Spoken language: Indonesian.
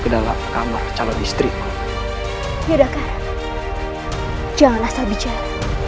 ke dalam kamar calon istri yudhakara jangan asal bicara